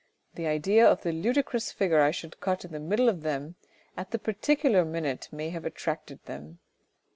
The idea of the ludicrous figure I should cut in the middle of them at the particular minute may have attracted them.